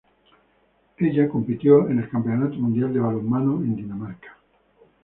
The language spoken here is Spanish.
Ella compitió en el Campeonato Mundial de Balonmano en Dinamarca.